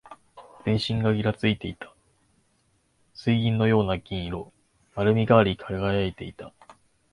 全身がぎらついていた。水銀のような銀色。丸みがあり、輝いていた。